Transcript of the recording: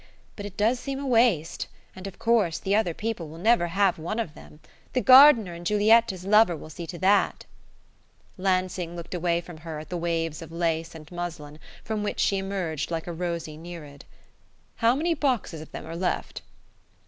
But it does seem a waste; and, of course, the other people will never have one of them.... The gardener and Giulietta's lover will see to that!" Lansing looked away from her at the waves of lace and muslin from which she emerged like a rosy Nereid. "How many boxes of them are left?"